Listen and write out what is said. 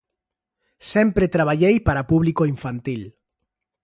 Sempre traballei para público infantil.